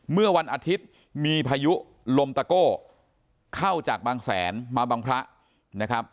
เมื่อวันอาทิตย์มีพายุลมตะโก้เข้าจากบางแสนมาบางพระนะครับ